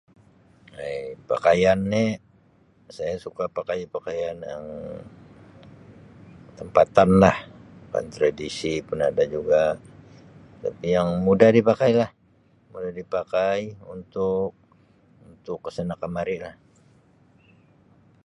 Hey pakaian ni' saya suka pakai pakaian yang tempatan lah pakaian tradisi pun ada juga tapi yang mudah dipakai lah mudah dipakai untuk untuk kesana kemari lah.